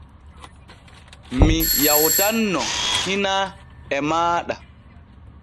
Mi yawtanno hinaa e maaɗa.